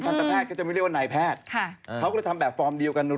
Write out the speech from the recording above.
ทันทะแพทย์เขาจะไม่เรียกว่านายแพทย์